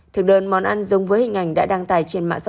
thực đơn món ăn giống với hình ảnh đã đăng tải